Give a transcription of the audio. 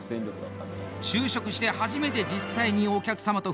就職して初めて実際にお客様と触れた石井。